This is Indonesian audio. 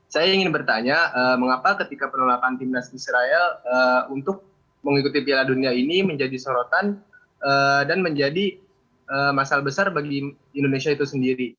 saya ingin bertanya mengapa ketika penolakan timnas israel untuk mengikuti piala dunia ini menjadi sorotan dan menjadi masalah besar bagi indonesia itu sendiri